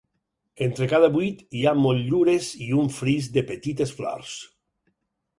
Entre cada buit hi ha motllures i un fris de petites flors.